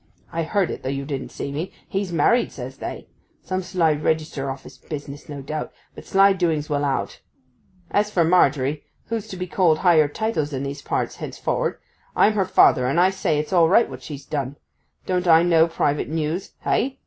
I heard it, though you didn't see me. "He's married!" says they. Some sly register office business, no doubt; but sly doings will out. As for Margery—who's to be called higher titles in these parts hencefor'ard—I'm her father, and I say it's all right what she's done. Don't I know private news, hey?